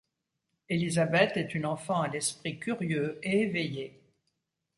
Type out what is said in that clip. Elizabeth est une enfant à l'esprit curieux et éveillé.